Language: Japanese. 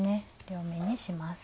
両面にします。